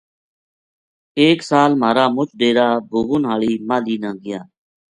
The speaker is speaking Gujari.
ایک سال مھارا مُچ ڈیرا بُوبن ہال ماہلی نا گیا